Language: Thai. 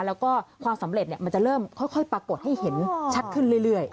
แล้วก็ความสำเร็จมันจะเริ่มค่อยปรากฏให้เห็นชัดขึ้นเรื่อย